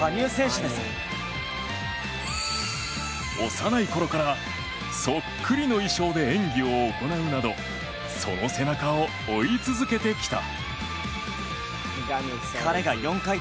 幼いころからそっくりの衣装で演技を行うなどその背中を追い続けてきた。